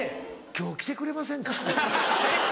今日来てくれませんか？